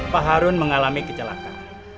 pak harun mengalami kecelakaan